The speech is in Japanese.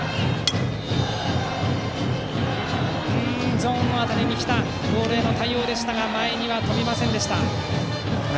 ゾーンの辺りに来たボールへの対応でしたが前には飛びませんでした。